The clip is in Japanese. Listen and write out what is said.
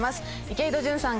池井戸潤さん